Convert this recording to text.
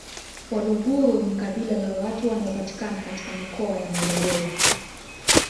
Waluguru ni kabila la watu wanaopatikana katika Mikoa ya Morogoro